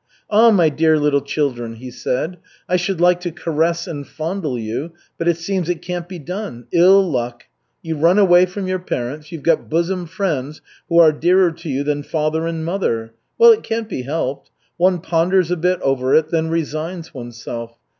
"Ah, my dear little children," he said. "I should like to caress and fondle you, but it seems it can't be done ill luck! You run away from your parents, you've got bosom friends who are dearer to you than father and mother. Well, it can't be helped. One ponders a bit over it, then resigns oneself.